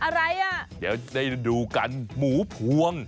อะไรอ่ะเดี๋ยวได้ดูกันหมูพวง